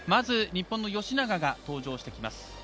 日本の吉永が登場しています。